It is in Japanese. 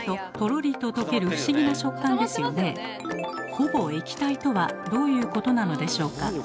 ほぼ液体とはどういうことなのでしょうか？